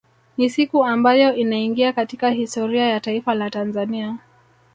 Ni siku ambayo inaingia katika historia ya taifa la Tanzania